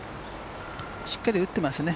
しっかり打ってますね。